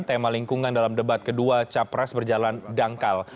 tema lingkungan dalam debat kedua capres berjalan dangkal